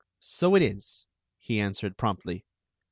" So it is," he answered promptly.